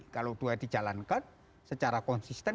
kalau dua dijalankan secara konsisten